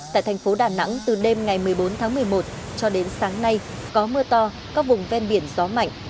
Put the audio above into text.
tại thành phố đà nẵng từ đêm ngày một mươi bốn tháng một mươi một cho đến sáng nay có mưa to các vùng ven biển gió mạnh